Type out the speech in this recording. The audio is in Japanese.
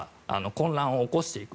混乱を起こしていく。